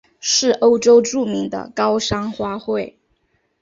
是欧洲著名的高山花卉。